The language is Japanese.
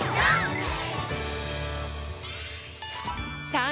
さあ